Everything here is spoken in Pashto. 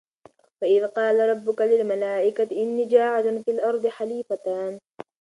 وَإِذْ قَالَ رَبُّكَ لِلْمَلٰٓئِكَةِ إِنِّى جَاعِلٌ فِى الْأَرْضِ خَلِيفَةً ۖ